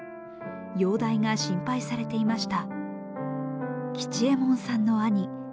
容体が心配されていました。